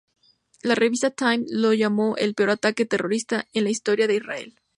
La revista "Time" lo llamó el "peor ataque terrorista en la historia de Israel".